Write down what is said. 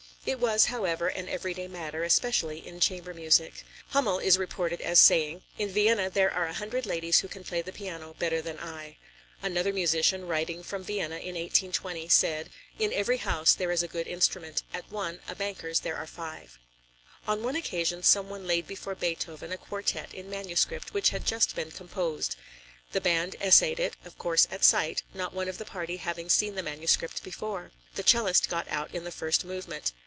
It was, however, an every day matter especially in chamber music. Hümmel is reported as saying: "In Vienna there are a hundred ladies who can play the piano better than I." Another musician, writing from Vienna in 1820, said: "In every house there is a good instrument; at one, a banker's, there are five." On one occasion, some one laid before Beethoven a quartet in manuscript which had just been composed. The band essayed it, of course at sight, not one of the party having seen the manuscript before. The cellist got out in the first movement.